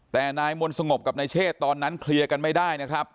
แต่นายมนต์สงบกับนายเชษตอนนั้นเคลียร์กันไม่ได้นะครับ